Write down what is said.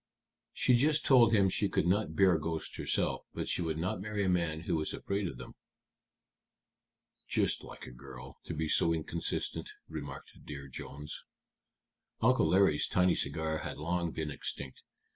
"She just told him she could not bear ghosts herself, but she would not marry a man who was afraid of them." "Just like a girl to be so inconsistent," remarked Dear Jones. Uncle Larry's tiny cigar had long been extinct.